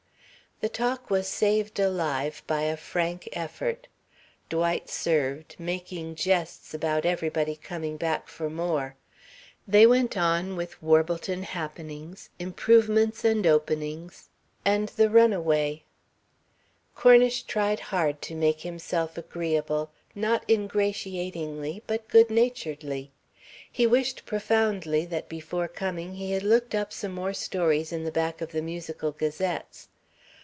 The talk was saved alive by a frank effort. Dwight served, making jests about everybody coming back for more. They went on with Warbleton happenings, improvements and openings; and the runaway. Cornish tried hard to make himself agreeable, not ingratiatingly but good naturedly. He wished profoundly that before coming he had looked up some more stories in the back of the Musical Gazettes.